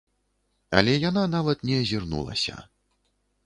Але яна нават не азірнулася.